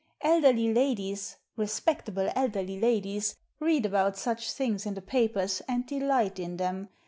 Elderly ladies, respectable elderly ladies, read about such things in the papers, and delight in them.